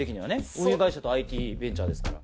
運輸会社とＩＴベンチャーですから。